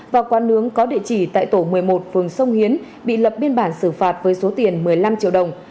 và quán nướng có địa chỉ tại tổ một mươi một phường sông hiến bị lập biên bản xử phạt với số tiền một mươi năm triệu đồng